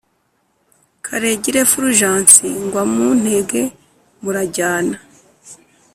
karegire fulgence ngwa muntege murajyana !